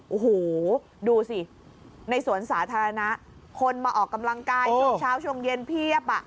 โอ้โหดูสิในสวนสาธารณะคนมาออกกำลังกายช่วงเช้าช่วงเย็นเพียบอ่ะ